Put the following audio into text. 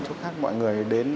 con là con gái